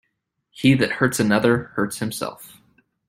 He that hurts another, hurts himself.